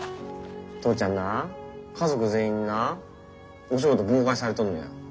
父ちゃんな家族全員になお仕事妨害されとんのや。